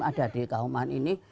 ada di kaum ini